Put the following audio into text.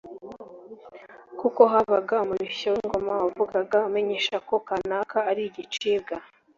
kuko habaga umurishyo w’Ingoma wavugaga umenyesha yuko kanaka uwo ari igicibwa